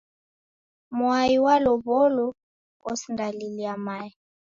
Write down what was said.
Mwai w'alow'olwa osindalilia mae